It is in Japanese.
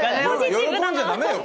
喜んじゃダメよ